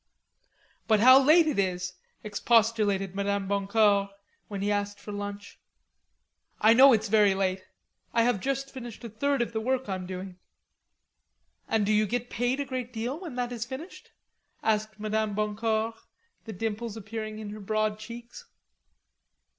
"But how late it is," expostulated Madame Boncour, when he asked for lunch. "I know it's very late. I have just finished a third of the work I'm doing. "And do you get paid a great deal, when that is finished?" asked Madame Boncour, the dimples appearing in her broad cheeks.